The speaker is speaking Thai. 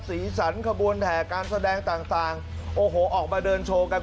สีสันขบวนแห่การแสดงต่างโอ้โหออกมาเดินโชว์กัน